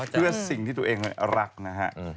เพื่อสิ่งที่ตัวเองรักนะฮะ